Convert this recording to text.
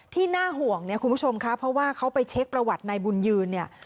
น่าห่วงเนี่ยคุณผู้ชมค่ะเพราะว่าเขาไปเช็คประวัตินายบุญยืนเนี่ย